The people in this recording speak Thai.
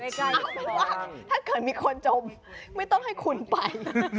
เพราะว่าถ้าเกิดมีคนจมไม่ต้องให้คุณไป